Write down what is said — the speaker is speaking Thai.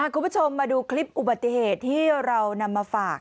คุณผู้ชมมาดูคลิปอุบัติเหตุที่เรานำมาฝาก